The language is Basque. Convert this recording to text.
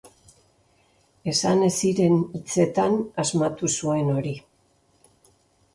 Esan ez ziren hitzetan asmatu zuen hori.